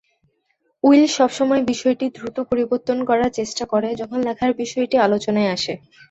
Will সব সময় বিষয়টি দ্রুত পরিবর্তন করার চেষ্টা করে, যখন লেখার বিষয়টি আলোচনায় আসে।